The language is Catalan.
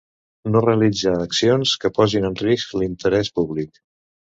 No realitzar accions que posin en risc l'interès públic.